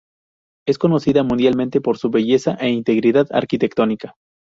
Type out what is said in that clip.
Es conocida mundialmente por su belleza e integridad arquitectónica.